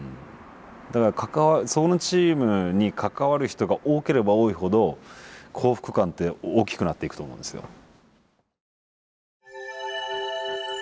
だからそのチームに関わる人が多ければ多いほど幸福感って大きくなっていくと思うんですよ。